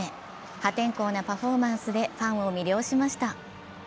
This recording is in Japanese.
破天荒なパフォーマンスでファンを魅了しました。